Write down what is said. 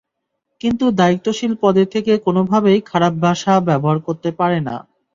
কিন্তু দায়িত্বশীল পদে থেকে কোনোভাবেই খারাপ ভাষা ব্যবহার করতে পারে না।